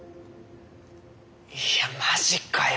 いやマジかよ